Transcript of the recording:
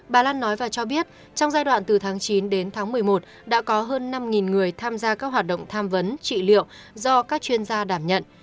bà lan nói và cho biết trong giai đoạn từ tháng chín đến tháng một mươi một đã có hơn năm người tham gia các hoạt động tham vấn trị liệu do các chuyên gia đảm nhận